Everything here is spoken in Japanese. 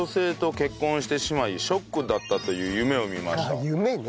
あっ夢ね。